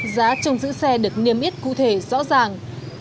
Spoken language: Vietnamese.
giá trong giữ xe được niêm yết cụ thể rõ ràng